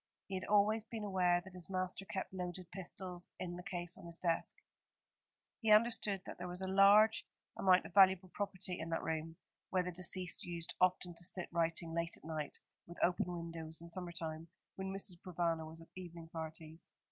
He had always been aware that his master kept loaded pistols in the case on his desk. He understood that there was a large amount of valuable property in that room, where the deceased used often to sit writing late at night, with open windows in summer time, when Mrs. Provana was at evening parties.